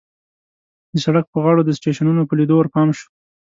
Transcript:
د سړک په غاړو د سټېشنونو په لیدو ورپام شو.